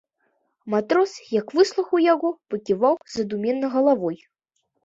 Матрос, як выслухаў яго, паківаў задуменна галавой.